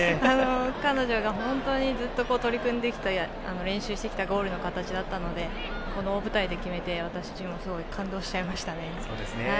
彼女がずっと取り組んできた練習してきたゴールの形だったのでこの大舞台で決めて私もすごい感動しちゃいましたね。